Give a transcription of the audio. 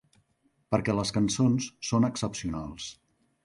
Perquè les cançons són excepcionals.